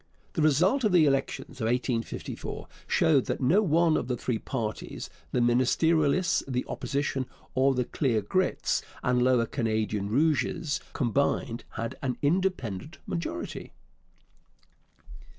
The result of the elections of 1854 showed that no one of the three parties the Ministerialists, the Opposition, or the Clear Grits and Lower Canadian Rouges combined had an independent majority.